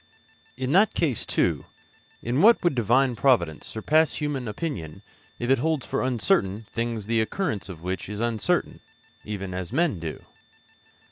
In that case, too, in what would Divine providence surpass human opinion if it holds for uncertain things the occurrence of which is uncertain, even as men do?